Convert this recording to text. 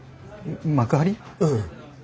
うん。